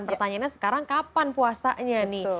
pertanyaannya sekarang kapan puasanya nih